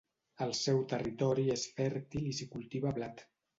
El seu territori és fèrtil i s'hi cultiva blat.